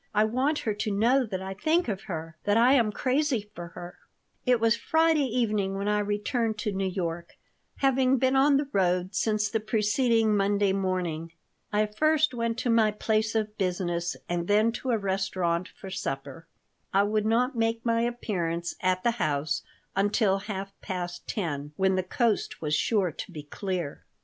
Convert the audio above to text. I want her to know that I think of her, that I am crazy for her." It was Friday evening when I returned to New York, having been on the road since the preceding Monday morning. I first went to my place of business and then to a restaurant for supper. I would not make my appearance at the house until half past 10, when the coast was sure to be clear.